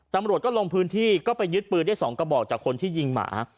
ตำรวจก็ลงพื้นที่ก็ไปยึดปืนได้๒กระบอกจากคนที่ยิงหมา